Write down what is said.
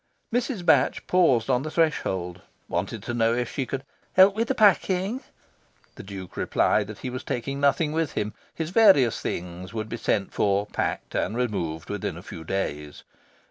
Mrs. Batch paused on the threshold, wanted to know if she could "help with the packing." The Duke replied that he was taking nothing with him: his various things would be sent for, packed, and removed, within a few days.